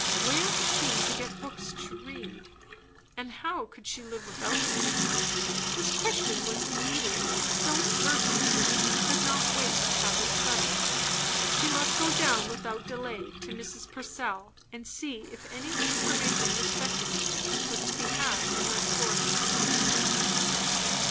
Where was she to get books to read? and how could she live without them? This question was immediately so urgent that she could not wait to have it settled; she must go down without delay to Mrs. Purcell, and see if any information respecting it was to be had in that quarter.